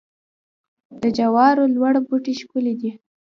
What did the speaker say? د جوارو لوړ بوټي ښکلي دي.